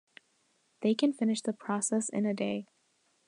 They can finish the process in a day.